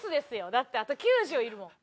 だってあと９０いるもん。